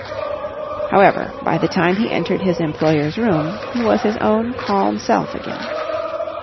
However, by the time he entered his employer's room he was his own calm self again.